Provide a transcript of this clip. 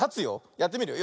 やってみるよ。